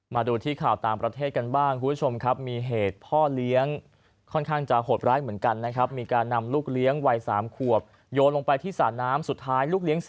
มาดูที่ข่าวต่างประเทศกันบ้างคุณผู้ชมครับมีเหตุพ่อเลี้ยงค่อนข้างจะโหดร้ายเหมือนกันนะครับมีการนำลูกเลี้ยงวัย๓ขวบโยนลงไปที่สระน้ำสุดท้ายลูกเลี้ย